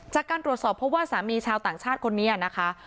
จากการตรวจสอบเพราะว่าสามีชาวต่างชาติคนนี้นะคะ